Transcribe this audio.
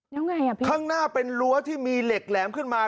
แล้วไงอ่ะพี่ข้างหน้าเป็นรั้วที่มีเหล็กแหลมขึ้นมา